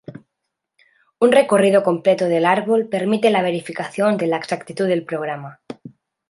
Un recorrido completo del árbol permite la verificación de la exactitud del programa.